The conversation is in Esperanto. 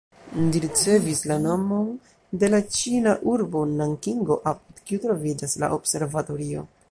Ĝi ricevis la nomon de la ĉina urbo Nankingo, apud kiu troviĝas la observatorio.